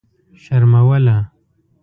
شر ملوه.